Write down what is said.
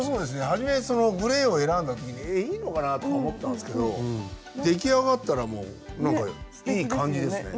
はじめグレーを選んだ時に「えいいのかな？」とか思ったんすけど出来上がったらもうなんかいい感じですね。